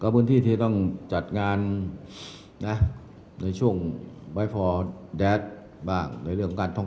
พื้นที่ที่ต้องจัดงานในช่วง